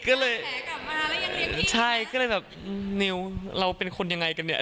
ก็เลยใช่ก็เลยแบบนิวเราเป็นคนยังไงกันเนี่ย